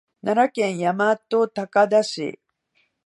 奈良県大和高田市